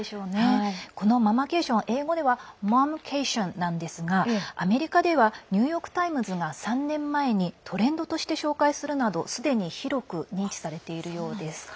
このママケーション英語ではＭｏｍｃａｔｉｏｎなんですがアメリカではニューヨーク・タイムズが３年前にトレンドとして紹介するなど広く認知されているようです。